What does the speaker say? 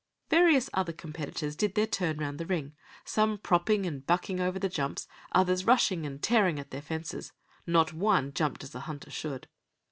Various other competitors did their turn round the ring, some propping and bucking over the jumps, others rushing and tearing at their fences; not one jumped as a hunter should.